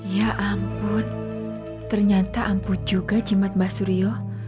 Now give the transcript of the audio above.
ya ampun ternyata ampun juga jimat mbak suryo